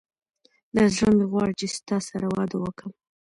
دا زړه مي غواړي چي ستا سره واده وکم